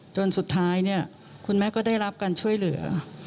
จนสุดท้ายเนี่ยคุณแม่ก็ได้รับการช่วยเหลือ